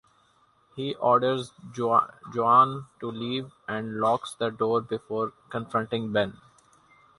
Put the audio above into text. He orders Joan to leave and locks the door before confronting Ben.